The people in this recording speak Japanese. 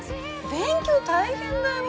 勉強大変だよ